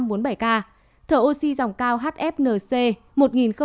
thở oxy dòng cao hfnc